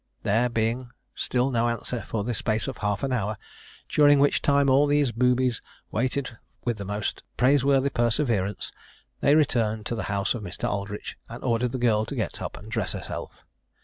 There being still no answer for the space of half an hour, during which time all these boobies waited with the most praiseworthy perseverance, they returned to the house of Mr. Aldritch, and ordered the girl to get up and dress herself.